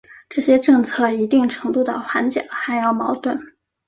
这些政策一定程度的缓解了汉瑶矛盾。